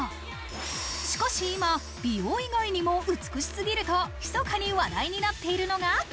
しかし今、美容以外にも美しすぎると、ひそかに話題になっているのが。